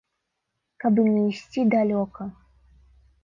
Каб і не ісці далёка?